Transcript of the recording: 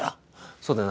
そうだよな？